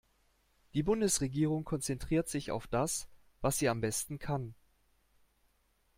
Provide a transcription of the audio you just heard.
Die Bundesregierung konzentriert sich auf das, was sie am besten kann.